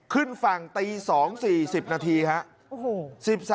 ขึ้นฝั่งตี๒๔๐นาทีครับ